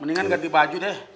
mendingan ganti baju deh